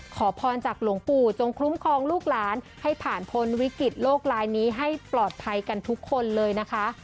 ขอพรจากหลวงปู่จงคลุ้มครองลูกหลานให้ผ่านพ้นวิกฤตโลกลายนี้ให้ปลอดภัยกันทุกคนเลยนะคะ